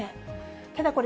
ただこれ、